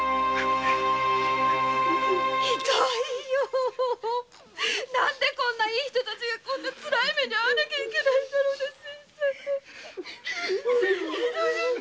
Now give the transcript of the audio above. ひどいよ何でこんないい人たちがこんなつらい目にあわなきゃならないんだよ。